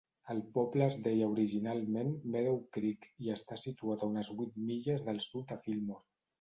El poble es deia originalment Meadow Creek i està situat a unes vuit milles del sud de Fillmore.